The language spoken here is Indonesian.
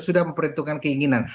sudah memperhitungkan keinginan